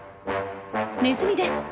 ネズミです。